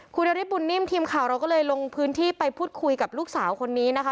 คุณนฤทธบุญนิ่มทีมข่าวเราก็เลยลงพื้นที่ไปพูดคุยกับลูกสาวคนนี้นะคะ